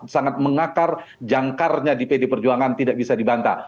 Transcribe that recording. sangat mengakar jangkarnya di pd perjuangan tidak bisa dibantah